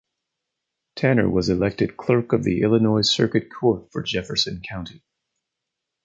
Tanner was elected clerk of the Illinois Circuit Court for Jefferson County.